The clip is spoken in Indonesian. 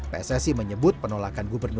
pssi menyebut penolakan gubernator